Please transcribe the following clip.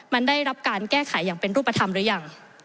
มันได้รับการแก้ไขอย่างเป็นรูปธรรมหรือยัง